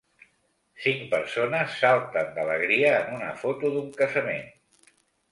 Cinc persones salten d'alegria en una foto d'un casament.